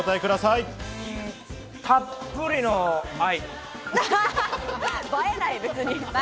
たっぷりの愛！